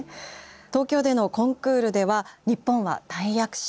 東京でのコンクールでは日本は大躍進。